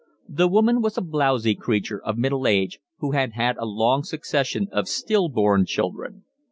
The woman was a blowsy creature of middle age, who had had a long succession of still born children.